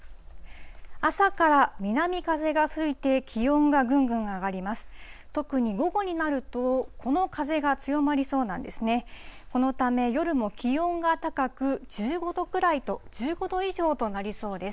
朝から南風が吹いて気温がぐんぐん上がります。